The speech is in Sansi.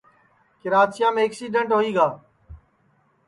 کراچیام اکسیڈن ہوئی گا